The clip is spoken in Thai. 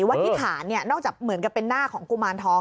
ว่าที่ฐานนอกจากเหมือนกับเป็นหน้าของกุมารทอง